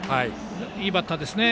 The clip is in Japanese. いいバッターですね。